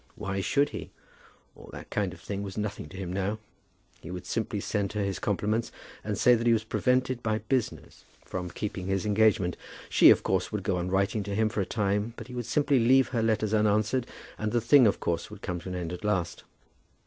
Why should he? All that kind of thing was nothing to him now. He would simply send her his compliments and say that he was prevented by business from keeping his engagement. She, of course, would go on writing to him for a time, but he would simply leave her letters unanswered, and the thing, of course, would come to an end at last.